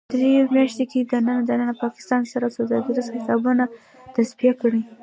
دریو میاشتو کې دننه ـ دننه پاکستان سره سوداګریز حسابونه تصفیه کړئ